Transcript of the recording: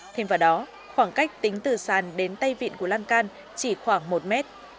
thêm vào đó khoảng cách tính từ sàn đến tay vịn của lan can chỉ khoảng một mét